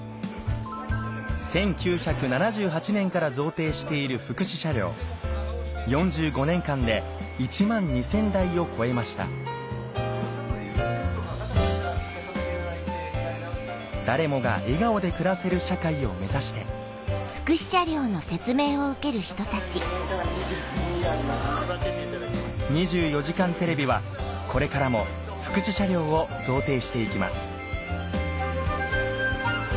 １９７８年から贈呈している福祉車両４５年間で１万２０００台を超えました誰もが笑顔で暮らせる社会を目指して『２４時間テレビ』はこれからも福祉車両を贈呈していきます